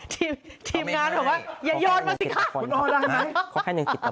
ทีมงานบอกว่าอย่ายอดมาสิค่ะ